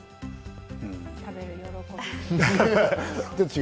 食べる喜び。